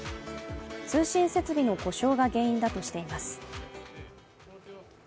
通信設備の故障が原因だとしています。